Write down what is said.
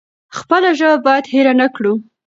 خپله ژبه بايد هېره نکړو.